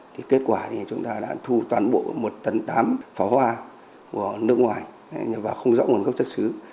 thì kết quả thì chúng ta đã thu toàn bộ một tấn tám pháo hoa của nước ngoài và không rõ nguồn gốc chất xứ